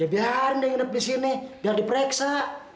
ya biarin dia nginep disini biar diperiksa